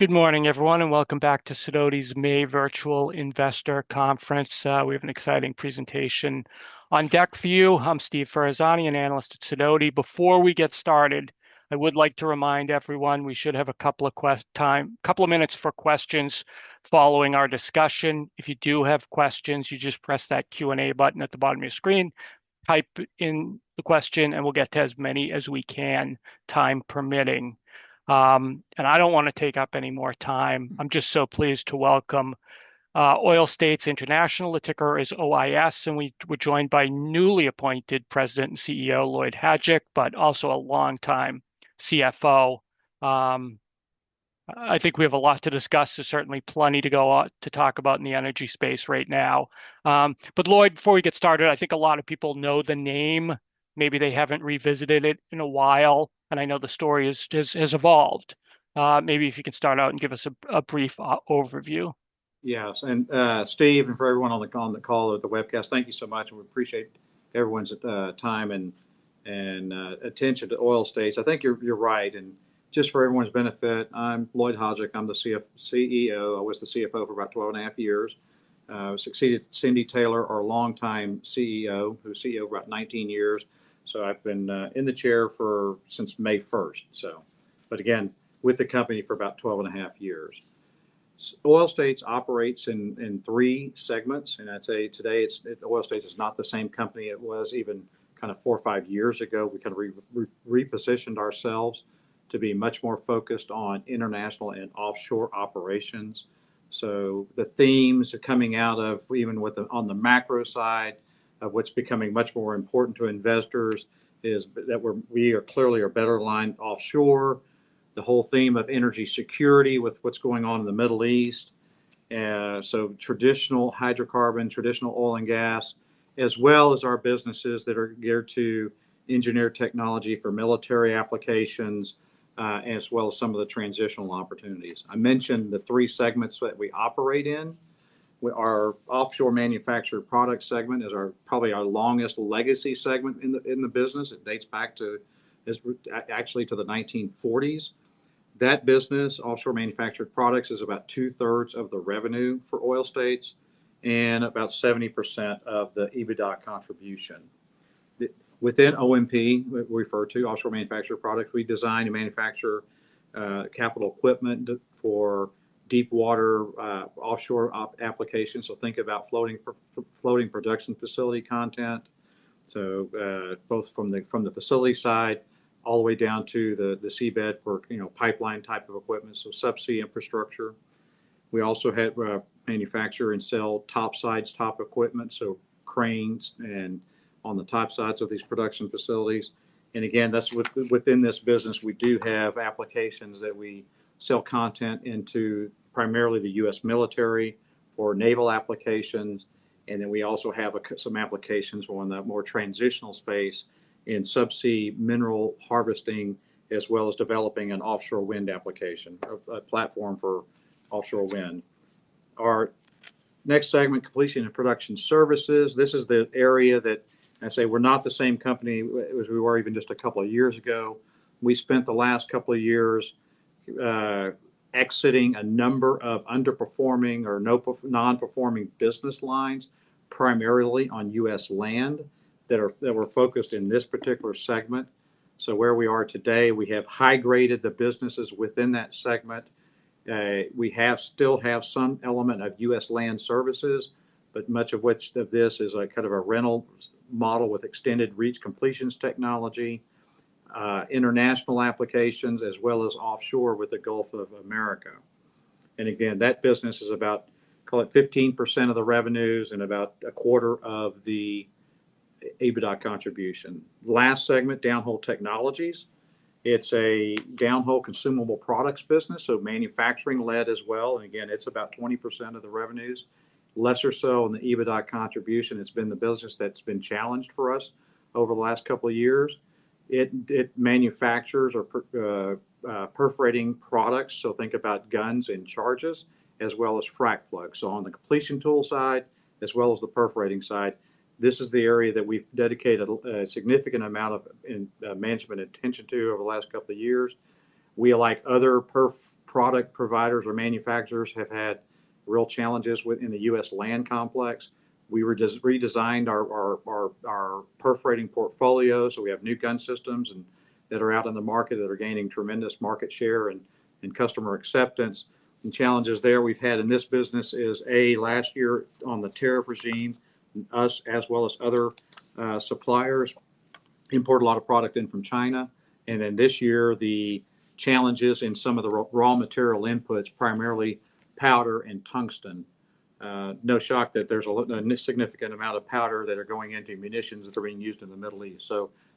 Good morning, everyone. Welcome back to Sidoti May Micro-Cap Virtual Conference. We have an exciting presentation on deck for you. I'm Steve Ferazani, an analyst at Sidoti. Before we get started, I would like to remind everyone we should have two minutes for questions following our discussion. If you do have questions, you just press that Q&A button at the bottom of your screen, type in the question. We'll get to as many as we can, time permitting. I don't want to take up any more time. I'm just so pleased to welcome Oil States International, the ticker is OIS. We're joined by newly appointed President and CEO, Lloyd Hajdik, also a longtime CFO. I think we have a lot to discuss. There's certainly plenty to talk about in the energy space right now. Lloyd, before we get started, I think a lot of people know the name. Maybe they haven't revisited it in a while, and I know the story has evolved. Maybe if you can start out and give us a brief overview? Yes. Steve, for everyone on the call or the webcast, thank you so much, we appreciate everyone's time and attention to Oil States. I think you're right, just for everyone's benefit, I'm Lloyd Hajdik. I'm the CEO. I was the CFO for about 12.5 years. Succeeded Cindy Taylor, our longtime CEO, who was CEO for about 19 years. I've been in the chair since May 1st. Again, with the company for about 12.5 years. Oil States operates in three segments, I'd say today, Oil States is not the same company it was even kind of four or five years ago. We kind of repositioned ourselves to be much more focused on international and offshore operations. The themes are coming out of, even on the macro side of what's becoming much more important to investors, is that we are clearly are better aligned offshore. The whole theme of energy security with what's going on in the Middle East. Traditional hydrocarbon, traditional oil and gas, as well as our businesses that are geared to engineer technology for military applications, as well as some of the transitional opportunities. I mentioned the three segments that we operate in. Our Offshore Manufactured Products segment is probably our longest legacy segment in the business. It dates back actually to the 1940s. That business, Offshore Manufactured Products, is about 2/3 of the revenue for Oil States and about 70% of the EBITDA contribution. Within OMP, we refer to Offshore Manufactured Products, we design and manufacture capital equipment for deepwater offshore applications. Think about floating production facility content. Both from the facility side all the way down to the seabed for pipeline type of equipment, so subsea infrastructure. We also manufacture and sell topsides top equipment, so cranes and on the topsides of these production facilities. Within this business, we do have applications that we sell content into primarily the U.S. military for naval applications. We also have some applications on the more transitional space in subsea mineral harvesting, as well as developing an offshore wind application, a platform for offshore wind. Our next segment, Completion and Production Services. This is the area that I say we're not the same company as we were even just a couple of years ago. We spent the last couple of years exiting a number of underperforming or non-performing business lines, primarily on U.S. land, that were focused in this particular segment. Where we are today, we have high-graded the businesses within that segment. We still have some element of U.S. land services, but much of which of this is a kind of a rental model with extended reach completions technology, international applications, as well as offshore with the Gulf of [Mexico]. Again, that business is about, call it 15% of the revenues and about a quarter of the EBITDA contribution. Last segment, Downhole Technologies. It's a downhole consumable products business, so manufacturing led as well, and again, it's about 20% of the revenues, less or so on the EBITDA contribution. It's been the business that's been challenged for us over the last couple of years. It manufactures our perforating products, so think about guns and charges, as well as frac plugs. On the completion tool side, as well as the perforating side, this is the area that we've dedicated a significant amount of management attention to over the last couple of years. We, like other perf product providers or manufacturers, have had real challenges within the U.S. land complex. We redesigned our perforating portfolio. We have new gun systems that are out in the market that are gaining tremendous market share and customer acceptance. Some challenges there we've had in this business is, A, last year on the tariff regime, us as well as other suppliers import a lot of product in from China. This year, the challenges in some of the raw material inputs, primarily powder and tungsten. No shock that there's a significant amount of powder that are going into munitions that are being used in the Middle East.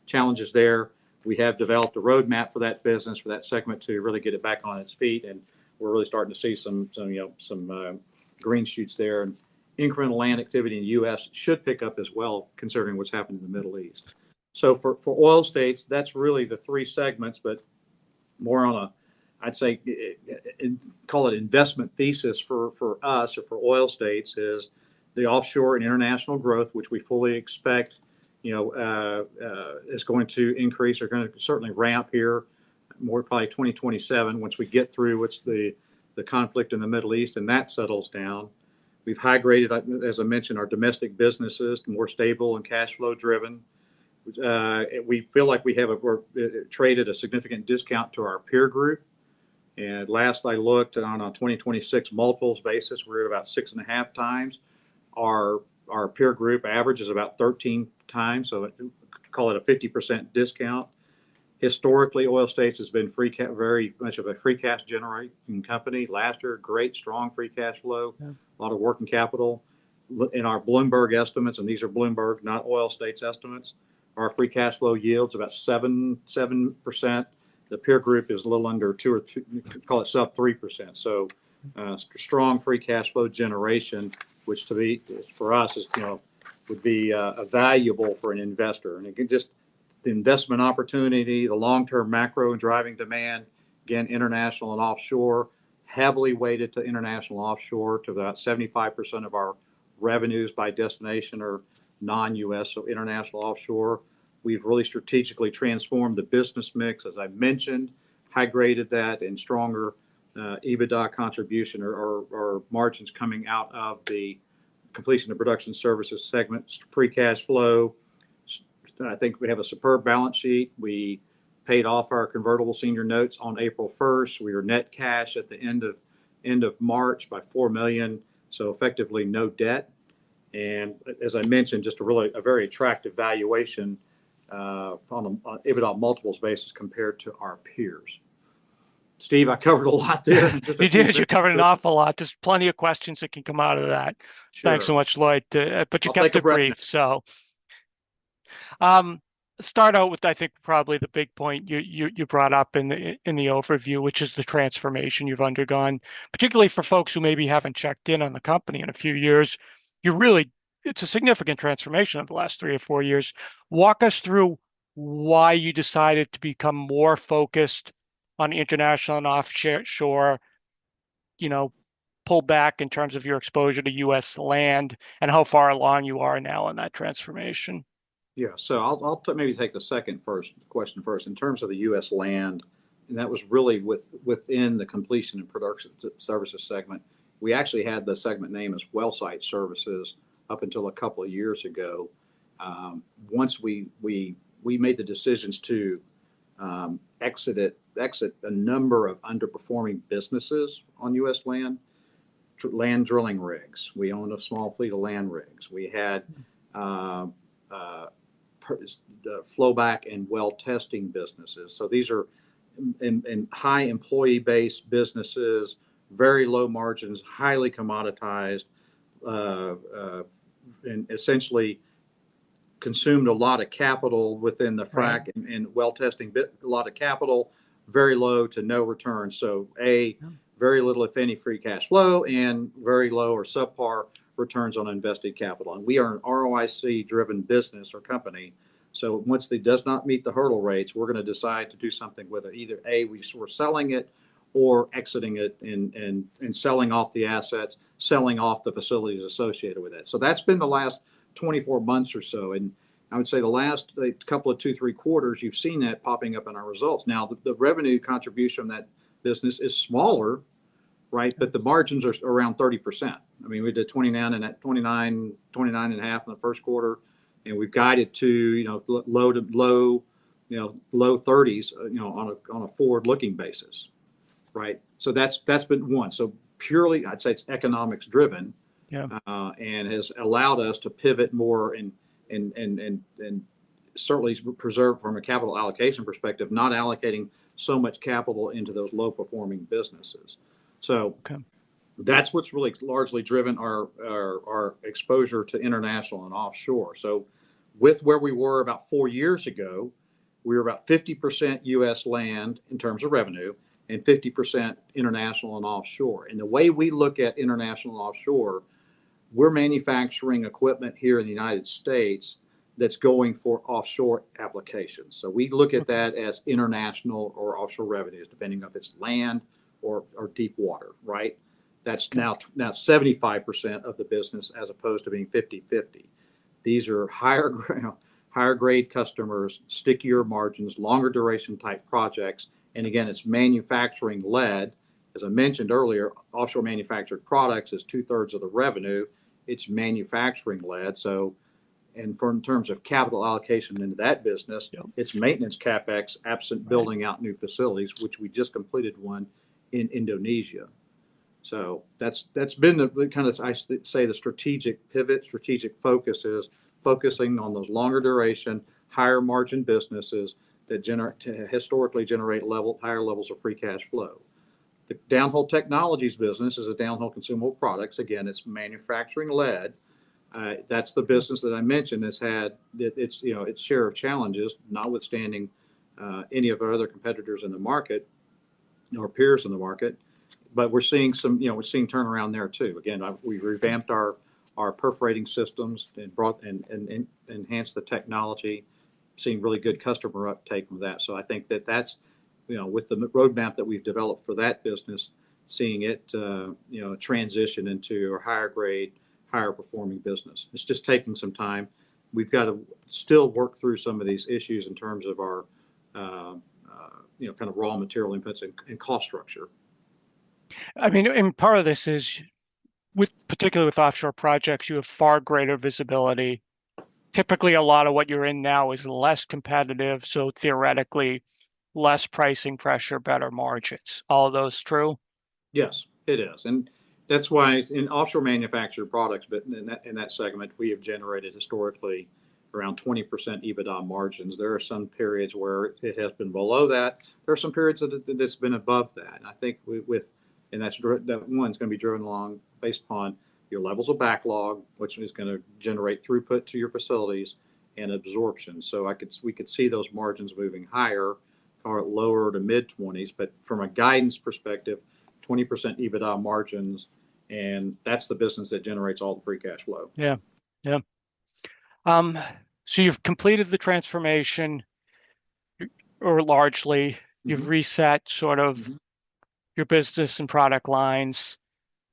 Challenges there. We have developed a roadmap for that business, for that segment to really get it back on its feet, and we're really starting to see some green shoots there. Incremental land activity in the U.S. should pick up as well considering what's happening in the Middle East. For Oil States, that's really the three segments, but more on a, I'd say, call it investment thesis for us or for Oil States is the offshore and international growth, which we fully expect is going to increase or going to certainly ramp here more by 2027 once we get through what's the conflict in the Middle East and that settles down. We've high-graded, as I mentioned, our domestic businesses, more stable and cash flow driven. We feel like we have traded a significant discount to our peer group. Last I looked on a 2026 multiples basis, we're at about 6.5x. Our peer group average is about 13x, so call it a 50% discount. Historically, Oil States has been much of a free cash generating company. Last year, great, strong, free cash flow. Yeah. A lot of working capital. In our Bloomberg estimates, and these are Bloomberg, not Oil States estimates, our free cash flow yield's about 7%. The peer group is a little under 2, or call it sub-3%. Strong free cash flow generation, which for us would be valuable for an investor. Again, just the investment opportunity, the long-term macro and driving demand, again, international and offshore, heavily weighted to international and offshore to about 75% of our revenues by destination or non-U.S., so international offshore. We've really strategically transformed the business mix, as I mentioned, high-graded that, and stronger EBITDA contribution or margins coming out of the Completion and Production Services segment. Free cash flow. I think we have a superb balance sheet. We paid off our convertible senior notes on April 1st. We were net cash at the end of March by $4 million, so effectively no debt. As I mentioned, just really a very attractive valuation from an EBITDA multiples basis compared to our peers. Steve, I covered a lot there. You did. You covered an awful lot. There's plenty of questions that can come out of that. Sure. Thanks so much, Lloyd. You kept it brief. I'll take a breath. Start out with, I think, probably the big point you brought up in the overview, which is the transformation you've undergone. Particularly for folks who maybe haven't checked in on the company in a few years, it's a significant transformation over the last three or four years. Walk us through why you decided to become more focused on international and offshore, pull back in terms of your exposure to U.S. land, and how far along you are now in that transformation. Yeah. I'll maybe take the second question first. In terms of the U.S. land, that was really within the Completion and Production Services segment, we actually had the segment name as Well Site Services up until a couple of years ago. Once we made the decisions to exit a number of underperforming businesses on U.S. land drilling rigs. We owned a small fleet of land rigs. We had flow back and well testing businesses. These are in high employee-base businesses, very low margins, highly commoditized, essentially consumed a lot of capital. Well testing. A lot of capital, very low to no return. A, very little, if any, free cash flow, and very low or subpar returns on invested capital. We are an ROIC-driven business or company. Once that does not meet the hurdle rates, we're going to decide to do something, whether either, A, we're selling it or exiting it and selling off the assets, selling off the facilities associated with it. That's been the last 24 months or so, and I would say the last couple of two, three quarters, you've seen that popping up in our results. The revenue contribution on that business is smaller, but the margins are around 30%. We did 29.5% in the first quarter, and we've guided to low 30s on a forward-looking basis. That's been one. Purely, I'd say it's economics driven. Yeah. Has allowed us to pivot more and certainly preserve from a capital allocation perspective, not allocating so much capital into those low-performing businesses. Okay. That's what's really largely driven our exposure to international and offshore. With where we were about four years ago, we were about 50% U.S. land in terms of revenue and 50% international and offshore. The way we look at international and offshore, we're manufacturing equipment here in the United States that's going for offshore applications. We look at that as international or offshore revenues, depending if it's land or deep water. That's now 75% of the business as opposed to being 50/50. These are higher grade customers, stickier margins, longer duration type projects, and again, it's manufacturing led. As I mentioned earlier, Offshore Manufactured Products is 2/3 of the revenue. It's manufacturing led. In terms of capital allocation into that business. Yeah. It's maintenance CapEx, absent building out new facilities, which we just completed one in Indonesia. That's been, I say, the strategic pivot, strategic focus is focusing on those longer duration, higher margin businesses that historically generate higher levels of free cash flow. The Downhole Technologies business is a downhole consumable products. Again, it's manufacturing led. That's the business that I mentioned that's had its share of challenges, notwithstanding any of our other competitors in the market or peers in the market. We're seeing turnaround there, too. Again, we revamped our perforating systems and enhanced the technology, seeing really good customer uptake from that. I think that with the roadmap that we've developed for that business, seeing it transition into a higher grade, higher performing business. It's just taking some time. We've got to still work through some of these issues in terms of our kind of raw material inputs and cost structure. Part of this is, particularly with offshore projects, you have far greater visibility. Typically, a lot of what you're in now is less competitive, so theoretically less pricing pressure, better margins. All those true? Yes, it is. That's why in Offshore Manufactured Products, but in that segment, we have generated historically around 20% EBITDA margins. There are some periods where it has been below that. There are some periods that it's been above that, and I think that, one, is going to be driven along based upon your levels of backlog, which is going to generate throughput to your facilities and absorption. We could see those margins moving higher or lower to mid-20s. From a guidance perspective, 20% EBITDA margins, and that's the business that generates all the free cash flow. Yeah. You've completed the transformation, or largely. You've reset sort of your business and product lines.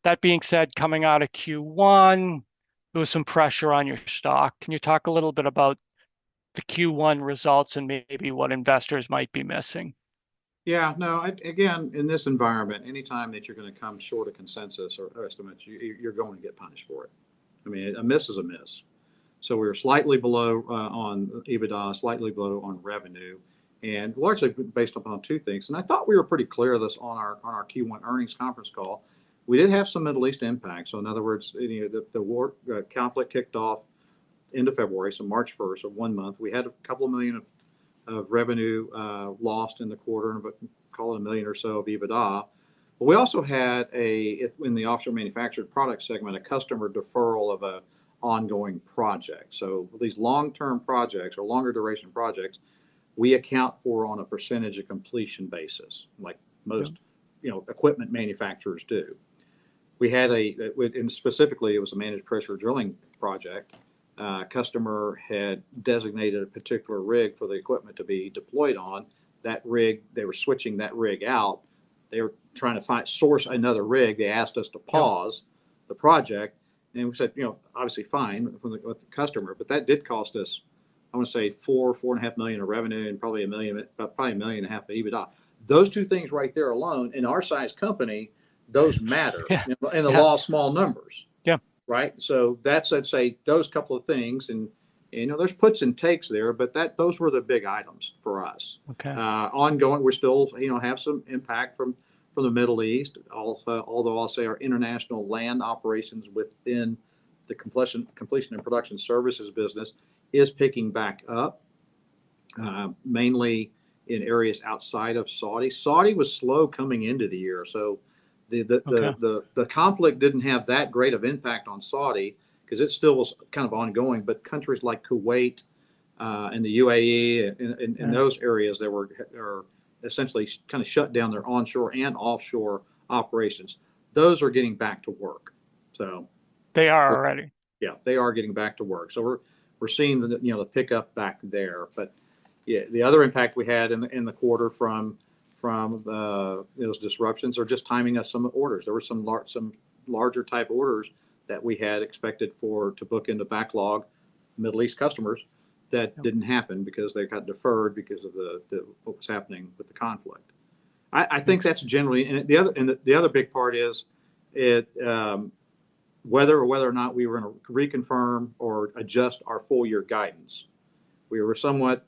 That being said, coming out of Q1, there was some pressure on your stock. Can you talk a little bit about the Q1 results and maybe what investors might be missing? No. Again, in this environment, anytime that you're going to come short of consensus or estimates, you're going to get punished for it. A miss is a miss. We were slightly below on EBITDA, slightly below on revenue, and largely based upon two things. I thought we were pretty clear this on our Q1 earnings conference call. We did have some Middle East impact. In other words, the war, conflict kicked off end of February, March 1st, one month. We had $2 million of revenue lost in the quarter, but call it $1 million or so of EBITDA. We also had, in the Offshore Manufactured Products segment, a customer deferral of an ongoing project. These long-term projects, or longer duration projects, we account for on a percentage of completion basis, like most- Yeah. Equipment manufacturers do. Specifically it was a managed pressure drilling project. A customer had designated a particular rig for the equipment to be deployed on. They were switching that rig out. They were trying to source another rig. They asked us to pause the project, and we said, obviously, "Fine" with the customer. That did cost us, I want to say $4 million, $4.5 million of revenue and probably a million and a half of EBITDA. Those two things right there alone, in our size company, those matter. Yeah. In the law of small numbers. Yeah. Right? That's, I'd say, those couple of things, and there's puts and takes there, but those were the big items for us. Okay. [inaudible] We still have some impact from the Middle East. I'll say our international land operations within the Completion and Production Services business is picking back up, mainly in areas outside of Saudi. Saudi was slow coming into the year. Okay. The conflict didn't have that great of impact on Saudi because it still was kind of ongoing. Countries like Kuwait, and the UAE. Yeah. Those areas that essentially kind of shut down their onshore and offshore operations, those are getting back to work. They are already? Yeah. They are getting back to work. We're seeing the pickup back there. Yeah, the other impact we had in the quarter from those disruptions are just timing of some orders. There were some larger type orders that we had expected to book in the backlog, Middle East customers, that didn't happen because they got deferred because of what was happening with the conflict. The other big part is whether or not we were going to reconfirm or adjust our full-year guidance. We were somewhat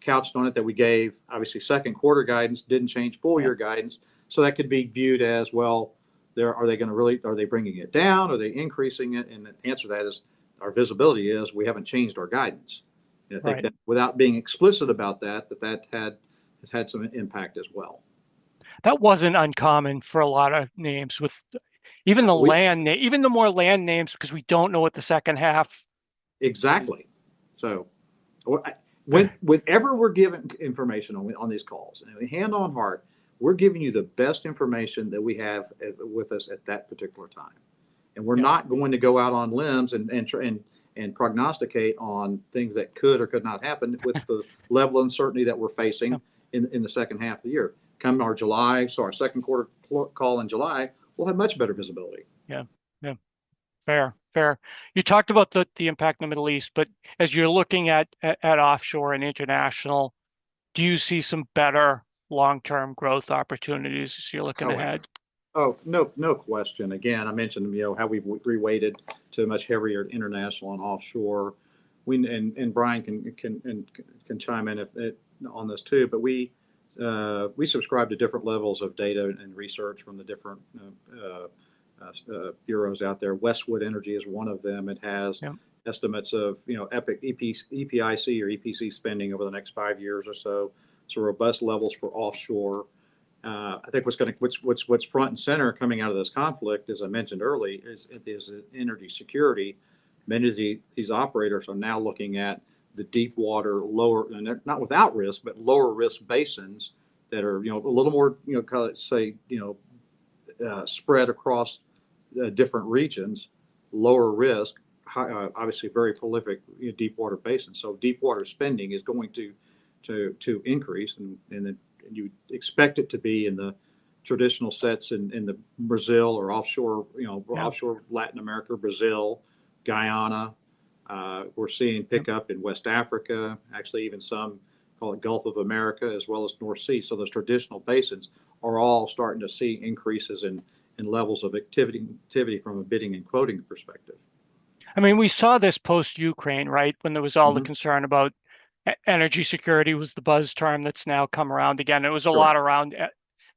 couched on it that we gave, obviously, second quarter guidance didn't change full-year guidance. Yeah. That could be viewed as, "Well, are they bringing it down? Are they increasing it?" The answer to that is, our visibility is we haven't changed our guidance. Right. I think that without being explicit about that had some impact as well. That wasn't uncommon for a lot of names with even the more land names, because we don't know what the second half- Exactly. Whenever we're giving information on these calls, hand on heart, we're giving you the best information that we have with us at that particular time. Yeah. We're not going to go out on limbs and prognosticate on things that could or could not happen. Right. With the level of uncertainty that we're facing. Yeah. In the second half of the year. Come our July, so our second quarter call in July, we'll have much better visibility. Yeah. Fair. You talked about the impact in the Middle East, but as you're looking at offshore and international, do you see some better long-term growth opportunities as you're looking ahead? Oh, no question. I mentioned how we've reweighted to a much heavier international and offshore. Brian can chime in on this, too, but we subscribe to different levels of data and research from the different bureaus out there. Westwood Energy is one of them. Yeah. Estimates of EPCI or EPC spending over the next five years or so. Robust levels for offshore. I think what's front and center coming out of this conflict, as I mentioned early, is energy security. Many of these operators are now looking at the deep water, not without risk, but lower risk basins that are a little more, call it say, spread across different regions. Lower risk, obviously very prolific deep water basins. Deep water spending is going to increase, you'd expect it to be in the traditional sets in the Brazil or offshore- Yeah. Latin America, Brazil, Guyana. We're seeing pickup in West Africa, actually even some call it Gulf of America, as well as North Sea. Those traditional basins are all starting to see increases in levels of activity from a bidding and quoting perspective. We saw this post-Ukraine, right? When there was all the concern about energy security was the buzz term that's now come around again. Sure. It was a lot around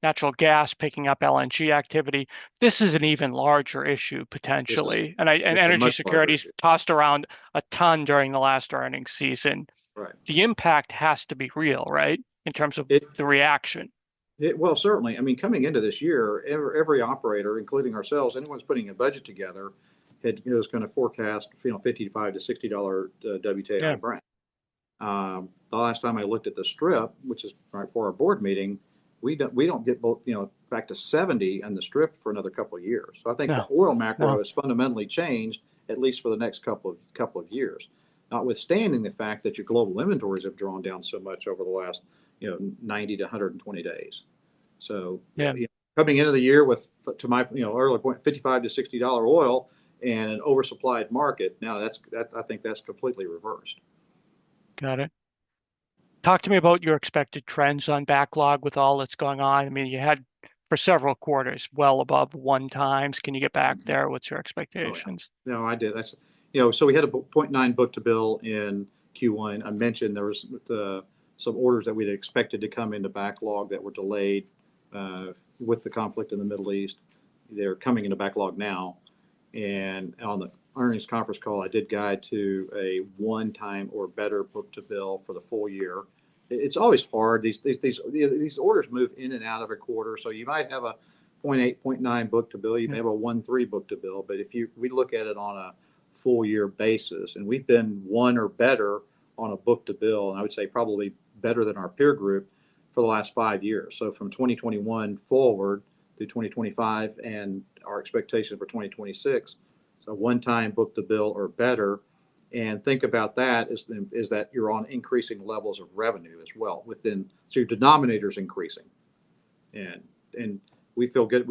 natural gas picking up LNG activity. This is an even larger issue, potentially. It's a much larger issue. Energy security is tossed around a ton during the last earnings season. Right. The impact has to be real, right? In terms of the reaction. Well, certainly. Coming into this year, every operator, including ourselves, anyone who's putting a budget together, had to forecast $55-$60 WTI Brent. Yeah. The last time I looked at the strip, which is right before our board meeting, we don't get back to $70 on the strip for another couple of years. No. I think the oil macro has fundamentally changed at least for the next couple of years, notwithstanding the fact that your global inventories have drawn down so much over the last 90-120 days. Yeah. Coming into the year with, to my earlier point, $55-$60 oil in an oversupplied market, now I think that's completely reversed. Got it. Talk to me about your expected trends on backlog with all that's going on. You had, for several quarters, well above 1x. Can you get back there? What's your expectations? Oh, yeah. No, I did. We had a 0.9 book-to-bill in Q1. I mentioned there was some orders that we'd expected to come into backlog that were delayed with the conflict in the Middle East. They're coming into backlog now, and on the earnings conference call, I did guide to a one time or better book-to-bill for the full year. It's always hard. These orders move in and out of a quarter. You might have a 0.8, 0.9 book-to-bill. You may have a 1.3 book-to-bill. If we look at it on a full year basis, and we've been one or better on a book-to-bill, and I would say probably better than our peer group, for the last five years. From 2021 forward through 2025 and our expectation for 2026, one-time book-to-bill or better. Think about that you're on increasing levels of revenue as well. Your denominator's increasing. We feel good.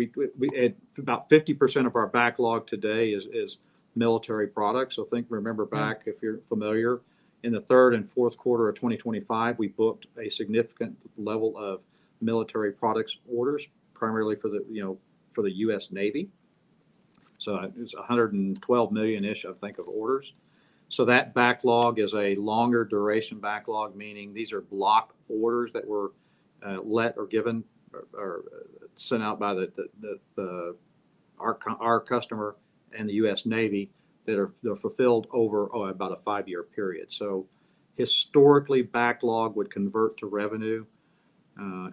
About 50% of our backlog today is military products. Think, remember back, if you're familiar, in the third and fourth quarter of 2025, we booked a significant level of military products orders, primarily for the US Navy. It was $112 million-ish, I think, of orders. That backlog is a longer duration backlog, meaning these are block orders that were let or given or sent out by our customer and the US Navy that are fulfilled over, oh, about a 5-year period. Historically, backlog would convert to revenue,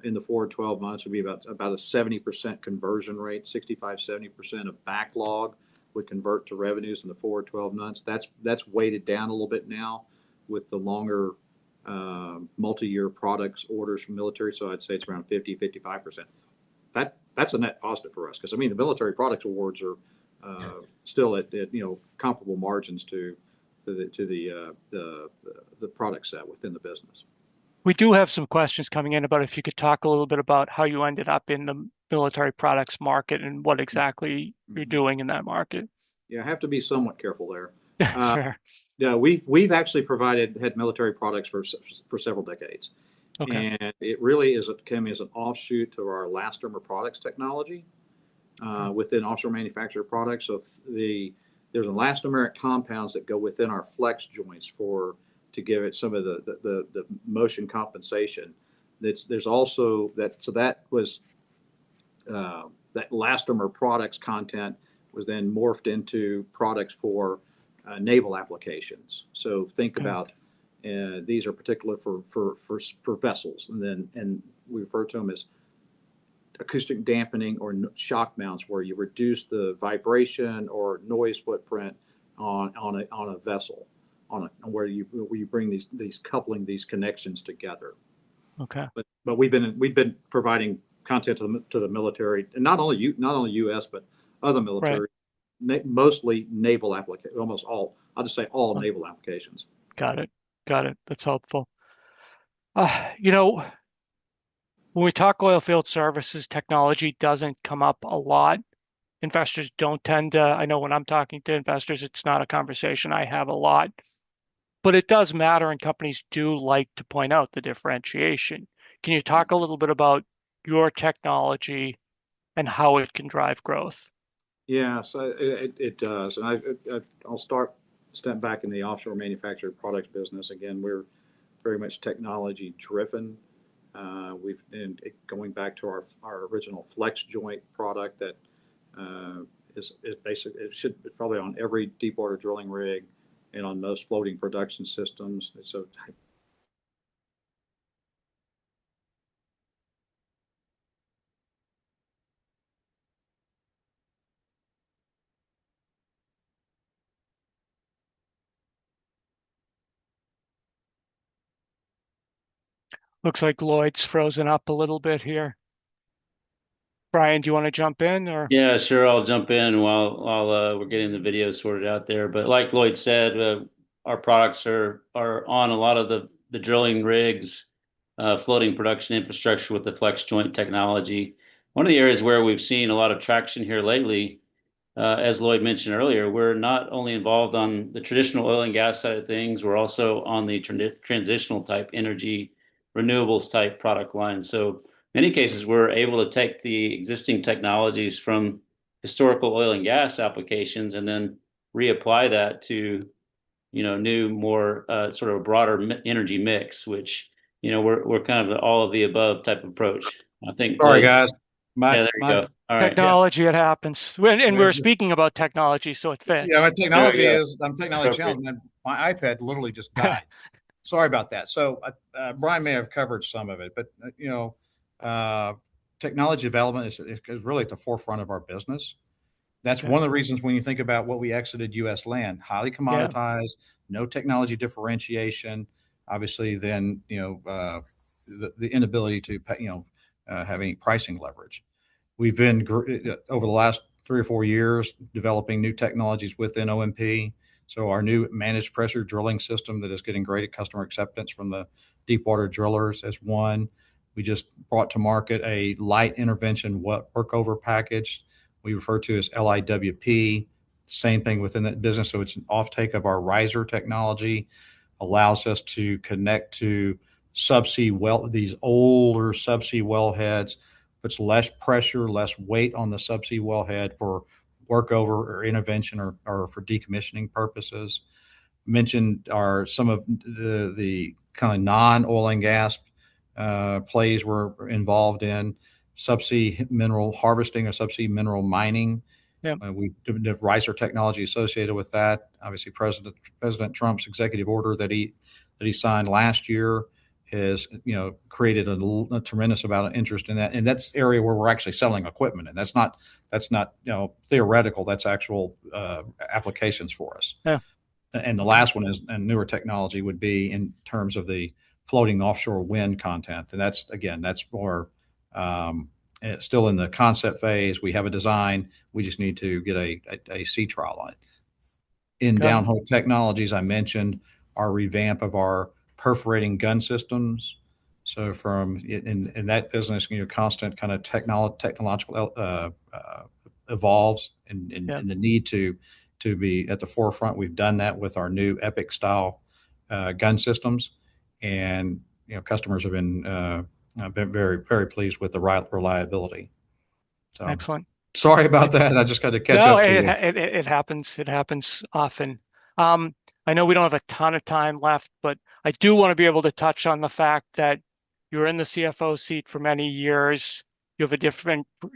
in the 4-12 months would be about a 70% conversion rate, 65%-70% of backlog would convert to revenues in the 4-12 months. That's weighted down a little bit now with the longer multi-year products orders from military. I'd say it's around 50, 55%. That's a net positive for us, because the military products awards are- Yeah. Still at comparable margins to the product set within the business. We do have some questions coming in about if you could talk a little bit about how you ended up in the military products market and what exactly you're doing in that market. Yeah, I have to be somewhat careful there. Sure. Yeah, we've actually provided high-end military products for several decades. Okay. It really came as an offshoot of our elastomer products technology within Offshore Manufactured Products. There's elastomeric compounds that go within our FlexJoints to give it some of the motion compensation. That elastomer products content was then morphed into products for naval applications. Think about these are particular for vessels. We refer to them as acoustic damping or shock mounts, where you reduce the vibration or noise footprint on a vessel, where you bring these coupling, these connections together. Okay. We've been providing content to the military, and not only U.S., but other military. Right. Mostly naval application. Almost all. I'll just say all naval applications. Got it. That's helpful. When we talk oil field services, technology doesn't come up a lot. I know when I'm talking to investors, it's not a conversation I have a lot. It does matter, and companies do like to point out the differentiation. Can you talk a little bit about your technology and how it can drive growth? Yes, it does. step back in the Offshore Manufactured Products business. Again, we're very much technology-driven. Going back to our original FlexJoint product, it should be probably on every deep water drilling rig and on most floating production systems. Looks like Lloyd's frozen up a little bit here. Brian, do you want to jump in, or? Yeah, sure. I'll jump in while we're getting the video sorted out there. Like Lloyd said, our products are on a lot of the drilling rigs, floating production infrastructure with the FlexJoint technology. One of the areas where we've seen a lot of traction here lately, as Lloyd mentioned earlier, we're not only involved on the traditional oil and gas side of things, we're also on the transitional type energy renewables type product line. Many cases, we're able to take the existing technologies from historical oil and gas applications and then reapply that to new, more broader energy mix, which we're kind of an all of the above type approach. Sorry, guys Yeah, there you go. All right. Technology, it happens. We were speaking about technology, so it fits. Yeah, I'm technology challenged. My iPad literally just died. Sorry about that. Brian may have covered some of it. Technology development is really at the forefront of our business. Yeah. That's one of the reasons when you think about what we exited U.S. land, highly commoditized. Yeah. No technology differentiation, obviously then the inability to have any pricing leverage. We've been, over the last three or four years, developing new technologies within OMP. Our new managed pressure drilling system that is getting great customer acceptance from the deepwater drillers is one. We just brought to market a Low Impact Workover Package we refer to as LIWP. Same thing within that business, so it's an offtake of our riser technology. Allows us to connect to these older subsea wellheads, puts less pressure, less weight on the subsea wellhead for workover or intervention or for decommissioning purposes. Mentioned are some of the kind of non-oil and gas plays we're involved in, subsea mineral harvesting or subsea mineral mining. Yeah. We have riser technology associated with that. Obviously, Donald Trump's executive order that he signed last year has created a tremendous amount of interest in that. That's the area where we're actually selling equipment, and that's not theoretical, that's actual applications for us. Yeah. The last one is, and newer technology, would be in terms of the floating offshore wind content. That's, again, that's more still in the concept phase. We have a design. We just need to get a sea trial on it. Yeah. In Downhole Technologies, I mentioned our revamp of our perforating gun systems. in that business, constant kind of technological evolves. Yeah The need to be at the forefront. We've done that with our new Epic-style gun systems, and customers have been very pleased with the reliability. Excellent. Sorry about that. I've just got to catch up. No, it happens. It happens often. I know we don't have a ton of time left, but I do want to be able to touch on the fact that you were in the CFO seat for many years. You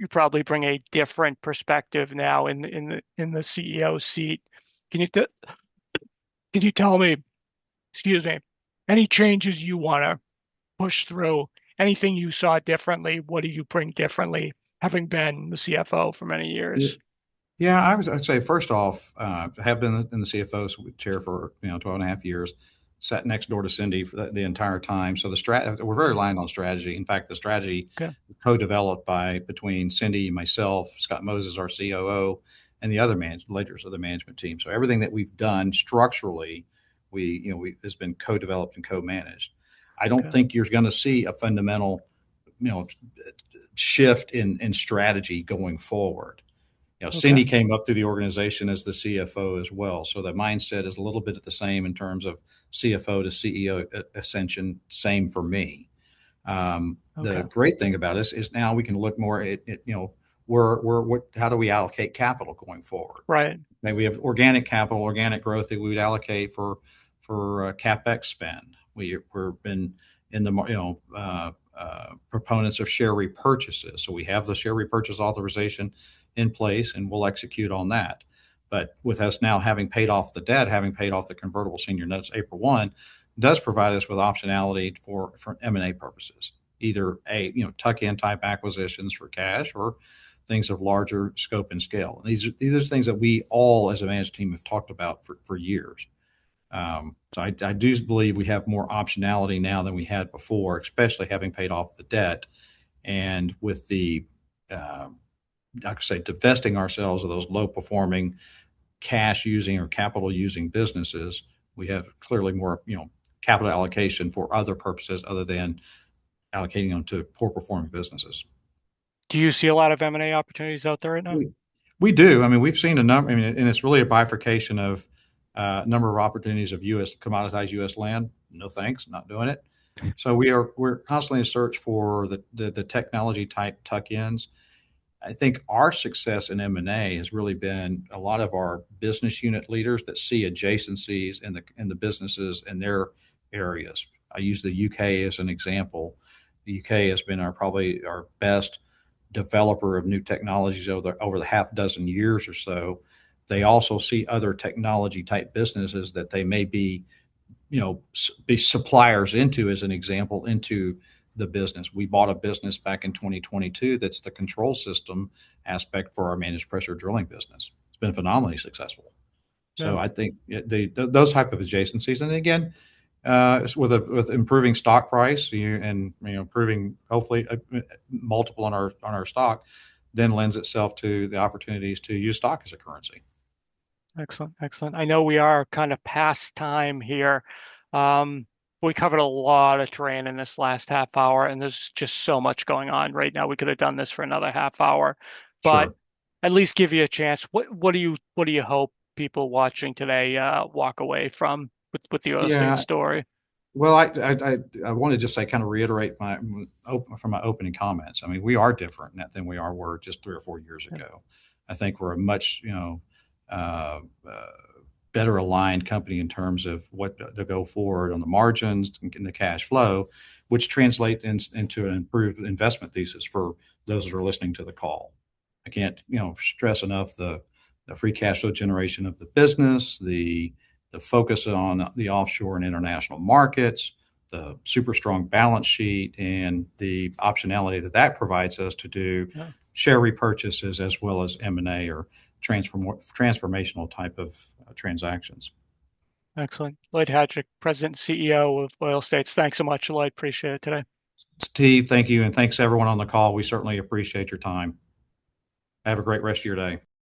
probably bring a different perspective now in the CEO seat. Can you tell me, excuse me, any changes you want to push through? Anything you saw differently? What do you bring differently, having been the CFO for many years? Yeah. I'd say, first off, have been the CFO chair for 12 and a half years. Sat next door to Cindy for the entire time. We're very aligned on strategy. Yeah. Co-developed between Cindy, myself, Philip Moses, our COO, and the other management leaders of the management team. Everything that we've done structurally has been co-developed and co-managed. Okay. I don't think you're going to see a fundamental shift in strategy going forward. Okay. Cindy came up through the organization as the CFO as well. That mindset is a little bit the same in terms of CFO to CEO ascension. Same for me. Okay. The great thing about this is now we can look more at how do we allocate capital going forward. Right. Maybe we have organic capital, organic growth that we'd allocate for CapEx spend. We've been proponents of share repurchases. We have the share repurchase authorization in place, and we'll execute on that. With us now having paid off the debt, having paid off the convertible senior notes April 1, does provide us with optionality for M&A purposes. Either, A, tuck-in type acquisitions for cash or things of larger scope and scale. These are things that we all as a management team have talked about for years. I do believe we have more optionality now than we had before, especially having paid off the debt and with the, I could say, divesting ourselves of those low-performing cash using or capital using businesses. We have clearly more capital allocation for other purposes other than allocating them to poor performing businesses. Do you see a lot of M&A opportunities out there right now? We do. We've seen a number, and it's really a bifurcation of a number of opportunities of commoditized U.S. land. No, thanks. Not doing it. We're constantly in search for the technology type tuck-ins. I think our success in M&A has really been a lot of our business unit leaders that see adjacencies in the businesses in their areas. I use the U.K. as an example. The U.K. has been probably our best developer of new technologies over the half dozen years or so. They also see other technology type businesses that they may be suppliers into, as an example, into the business. We bought a business back in 2022 that's the control system aspect for our managed pressure drilling business. It's been phenomenally successful. Yeah. I think those type of adjacencies, and again, with improving stock price and improving, hopefully, a multiple on our stock then lends itself to the opportunities to use stock as a currency. Excellent. I know we are kind of past time here. We covered a lot of terrain in this last half hour, and there's just so much going on right now. We could have done this for another half hour. Sure. At least give you a chance, what do you hope people watching today walk away from with the Oil States story? Well, I want to just say, kind of reiterate from my opening comments. We are different than we were just three or four years ago. I think we're a much better aligned company in terms of what the go forward on the margins and the cash flow, which translate into an improved investment thesis for those that are listening to the call. I can't stress enough the free cash flow generation of the business, the focus on the offshore and international markets, the super strong balance sheet, and the optionality that that provides us to do. Yeah. Share repurchases as well as M&A or transformational type of transactions. Excellent. Lloyd Hajdik, President and CEO of Oil States. Thanks so much, Lloyd Hajdik. Appreciate it today. Steve, thank you, and thanks everyone on the call. We certainly appreciate your time. Have a great rest of your day.